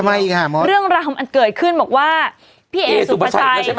ทำไมค่ะมอสเรื่องราคาเกิดขึ้นบอกว่าพี่เอสุประสัยแล้วใช่ไหม